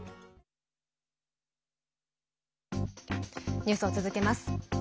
ニュースを続けます。